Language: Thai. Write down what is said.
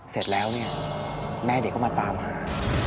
เสร็จแล้วเนี่ยแม่เด็กก็มาตามหา